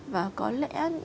và có lẽ